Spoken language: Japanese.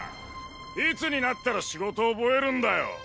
いつになったら仕事おぼえるんだよ！